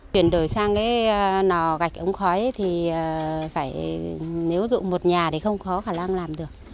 chuyển đổi sang cái nò gạch ống khói thì phải nếu dụng một nhà thì không khó khả năng làm được